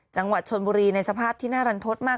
จังหวัดชนบุรีในสภาพที่น่ารันทศมาก